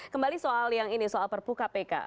kembali soal yang ini soal perpu kpk